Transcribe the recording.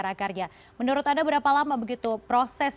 bahwa lalu tak ada schweizer